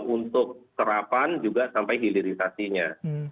untuk serapan juga sampai hilirisasinya